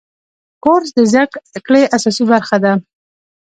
کورس د زده کړې اساسي برخه ده.